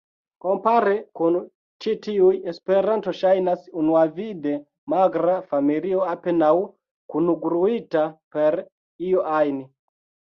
Kompare kun ĉi tiuj, Esperanto ŝajnas unuavide magra familio apenaŭ kungluita per io ajn.